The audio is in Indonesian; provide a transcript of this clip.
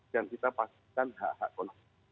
dan kita pastikan hak hak konsumsi